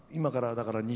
だからね